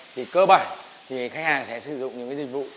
thì cơ bản thì khách hàng sẽ sử dụng những dịch vụ